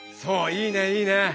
いいねいいね。